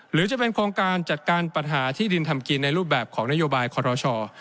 หรือจะเป็นโครงการจัดการปัญหาที่ดินทำกินในรูปแบบของนโยบายคอรช